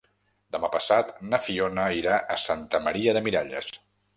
Demà passat na Fiona irà a Santa Maria de Miralles.